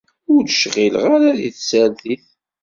Ur d-cɣileɣ ara d tsertit.